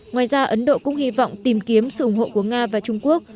ngoài ra ấn độ cũng hy vọng tìm kiếm sự ủng hộ của nga và trung quốc